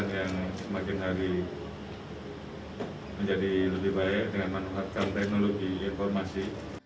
yang semakin hari menjadi lebih baik dengan manfaatkan teknologi informasi